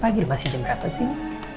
pagi masih jam berapa sih